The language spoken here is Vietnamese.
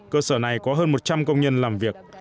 cơ sở này có hơn một trăm linh công nhân làm việc